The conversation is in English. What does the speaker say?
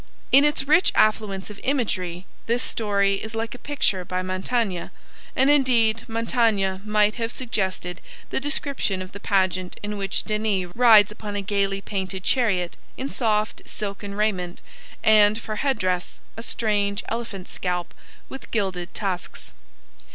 In its rich affluence of imagery this story is like a picture by Mantegna, and indeed Mantegna might have suggested the description of the pageant in which Denys rides upon a gaily painted chariot, in soft silken raiment and, for head dress, a strange elephant scalp with gilded tusks.